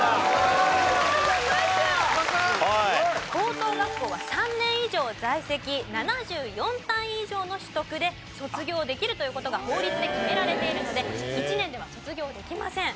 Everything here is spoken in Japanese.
高等学校は３年以上在籍７４単位以上の取得で卒業できるという事が法律で決められているので１年では卒業できません。